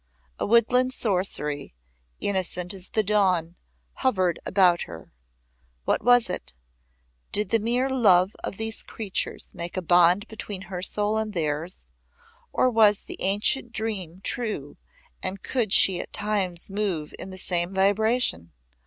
A woodland sorcery, innocent as the dawn, hovered about her. What was it? Did the mere love of these creatures make a bond between her soul and theirs, or was the ancient dream true and could she at times move in the same vibration?